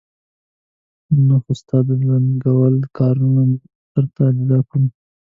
نه، خو ستا د لنګول کارونه مفت درته اجرا کوم.